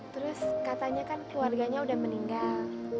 terus katanya kan keluarganya udah meninggal